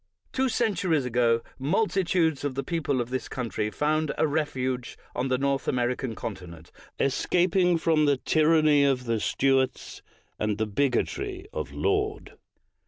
Two centuries ago, multitudes of the people of this country found a refuge on the North Ameri can continent, escaping from the tyranny of the Stuarts and from the bigotry of Laud.